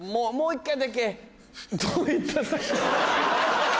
もう１回だけ。